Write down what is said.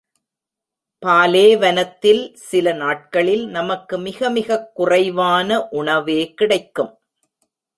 பாலேவனத்தில் சில நாட்களில் நமக்கு மிக மிகக் குறைவான உணவே கிடைக்கும்.